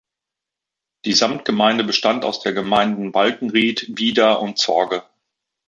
Die Samtgemeinde bestand aus den Gemeinden Walkenried, Wieda und Zorge.